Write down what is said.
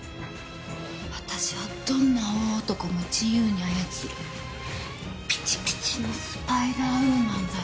私はどんな大男も自由に操るピチピチのスパイダーウーマンだよ。